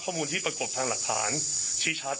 ข้อมูลที่ปรากฏทางหลักฐานชี้ชัด